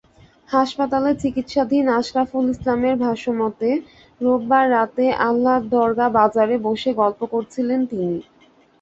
হাসপাতালে চিকিৎসাধীন আশরাফুল ইসলামের ভাষ্যমতে, রোববার রাতে আল্লারদরগা বাজারে বসে গল্প করছিলেন তিনি।